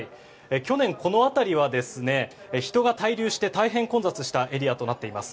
去年、この辺りは人が滞留して大変混雑したエリアとなっています。